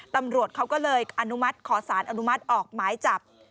ตำรวจเขาก็เลยอนุมัติขอสารอนุมัติออกหมายจับ